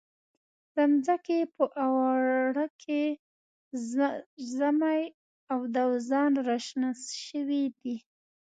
د منځکي په اواړه کې زمۍ او دوزان را شنه شوي دي.